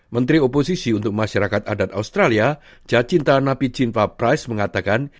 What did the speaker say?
menteri oposisi untuk masyarakat adat australia cacinta nampi jinpapraes mengatakan